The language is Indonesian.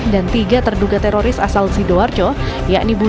tiga terduga teroris asal sidoarjo yakni budi